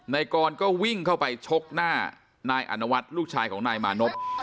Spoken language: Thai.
นายกรก็วิ่งเข้าไปชกหน้านายอนุวัฒน์ลูกชายของนายมานพ